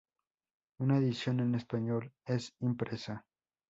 Una edición en español es impresa.